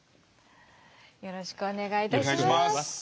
よろしくお願いします。